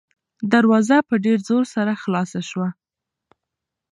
دروازه په ډېر زور سره خلاصه شوه.